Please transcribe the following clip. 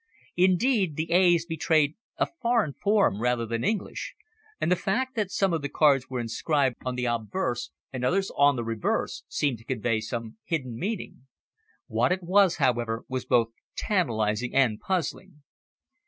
Indeed the A's betrayed a foreign form rather than English, and the fact that some of the cards were inscribed on the obverse and others on the reverse seemed to convey some hidden meaning. What it was, however, was both tantalising and puzzling.